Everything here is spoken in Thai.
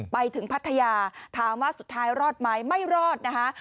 ไปถึงพัทยาถามว่าสุดท้ายรอดไหมไม่รอดนะคะ